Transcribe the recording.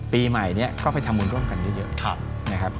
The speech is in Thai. ปีใหม่ก็ไปทำร่วมร่วมกันเยอะ